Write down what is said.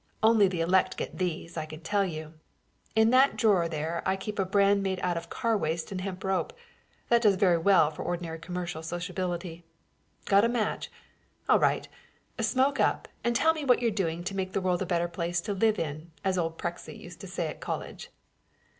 Only the elect get these, I can tell you. In that drawer there I keep a brand made out of car waste and hemp rope, that does very well for ordinary commercial sociability. Got a match? All right; smoke up and tell me what you're doing to make the world a better place to live in, as old Prexy used to say at college."